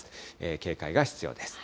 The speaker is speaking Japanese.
警戒が必要です。